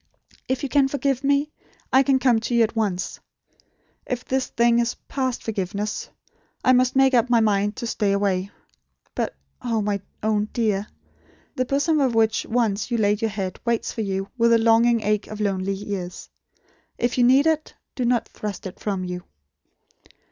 If you can forgive me, I can come to you at once. If this thing is past forgiveness, I must make up my mind to stay away. But, oh, my own Dear, the bosom on which once you laid your head waits for you with the longing ache of lonely years. If you need it, do not thrust it from you."